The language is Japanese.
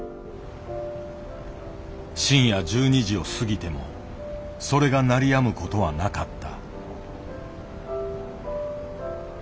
深夜１２時を過ぎてもそれが鳴りやむことはなかった。